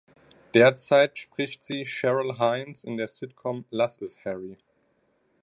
Derzeit spricht sie Cheryl Hines in der Sitcom "Lass es, Larry!